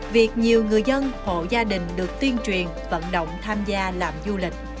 việc nhiều người dân hộ gia đình được tuyên truyền vận động tham gia làm du lịch